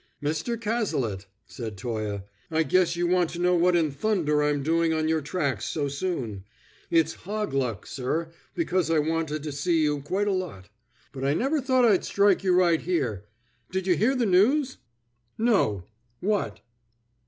"Mr. Cazalet," said Toye, "I guess you want to know what in thunder I'm doing on your tracks so soon. It's hog luck, sir, because I wanted to see you quite a lot, but I never thought I'd strike you right here. Did you hear the news?" "No! What?"